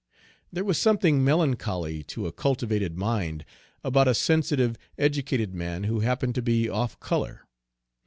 There was something melancholy, to a cultivated mind, about a sensitive, educated man who happened to be off color.